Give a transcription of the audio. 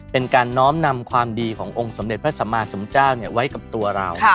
เป็นการน้อมนำความดีขององค์สมเด็จพระสัมมาสมเจ้าไว้กับตัวเรา